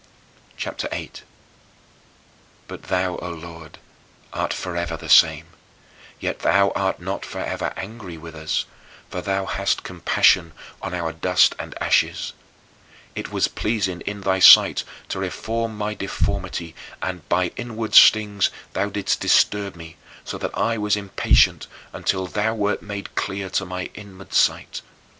CHAPTER VIII 12. But thou, O Lord, art forever the same, yet thou art not forever angry with us, for thou hast compassion on our dust and ashes. It was pleasing in thy sight to reform my deformity, and by inward stings thou didst disturb me so that I was impatient until thou wert made clear to my inward sight.